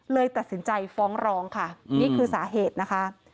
เลยตัดสินใจฟ้องร้องค่ะนี่คือสาเหตุนะคะ